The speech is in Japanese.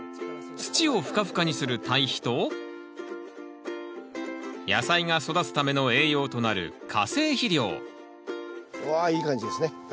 土をふかふかにする堆肥と野菜が育つための栄養となるわいい感じですね。